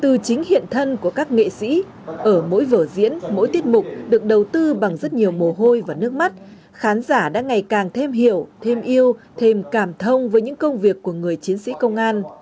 từ chính hiện thân của các nghệ sĩ ở mỗi vở diễn mỗi tiết mục được đầu tư bằng rất nhiều mồ hôi và nước mắt khán giả đã ngày càng thêm hiểu thêm yêu thêm cảm thông với những công việc của người chiến sĩ công an